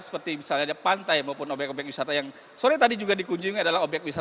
seperti misalnya ada pantai maupun objek objek wisata yang sore tadi juga dikunjungi adalah objek objek wisata